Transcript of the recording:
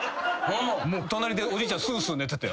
隣でおじいちゃんすうすう寝てて。